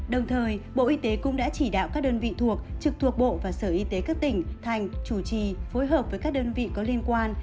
đồng thời bộ y tế cũng đã chỉ đạo các đơn vị thuộc trực thuộc bộ và sở y tế các tỉnh thành chủ trì phối hợp với các đơn vị có liên quan